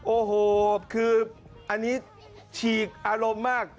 โอ้โหคืออันนี้ฉีกอารมณ์มาก